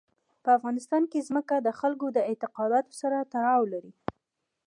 په افغانستان کې ځمکه د خلکو د اعتقاداتو سره تړاو لري.